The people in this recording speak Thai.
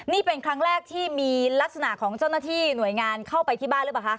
นี่เป็นครั้งแรกที่มีลักษณะของเจ้าหน้าที่หน่วยงานเข้าไปที่บ้านหรือเปล่าคะ